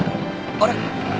あれ？